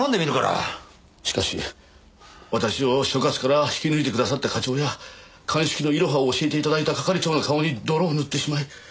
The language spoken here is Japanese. しかし私を所轄から引き抜いてくださった課長や鑑識のいろはを教えて頂いた係長の顔に泥を塗ってしまい。